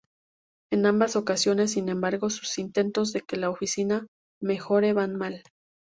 En ambas ocasiones, sin embargo, sus intentos de que la oficina mejore van mal.